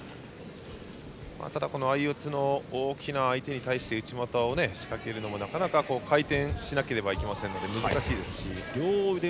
ただ相四つの大きな相手に対して内股を仕掛けるのも、なかなか回転しなければいけないので難しいですし。